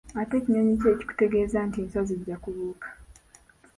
Ate kinyonyi ki ekitutegeeza nti enswa zijja kubuuka?